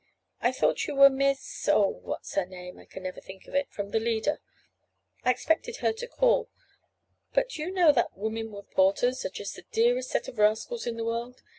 I thought you were Miss—Oh, what's her name—I never can think of it—from the Leader. I expected her to call. But, do you know that women reporters are just the dearest set of rascals in the world?